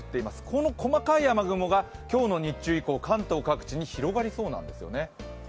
この細かい雨雲が今日の日中以降、関東各地に広がりそうなんですよね。